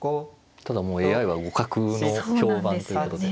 ただもうＡＩは互角の評判ということで。